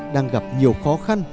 đang gặp nhiều khó khăn